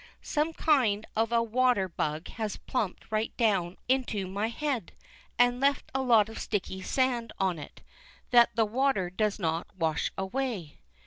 Some kind of a water bug has plumped right down onto my head, and left a lot of sticky sand on it, that the water does not wash away.